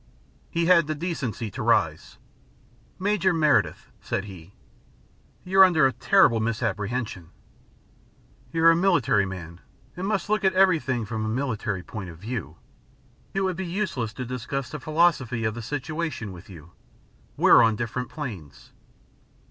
He had the decency to rise. "Major Meredyth," said he, "you're under a terrible misapprehension. You're a military man and must look at everything from a military point of view. It would be useless to discuss the philosophy of the situation with you. We're on different planes."